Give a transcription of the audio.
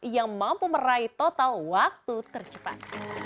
yang mampu meraih total waktu tercepat